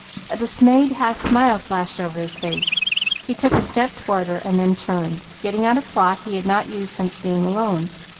A dismayed half smile flashed over his face. He took a step toward her, and then turned, getting out a cloth he had not used since being alone.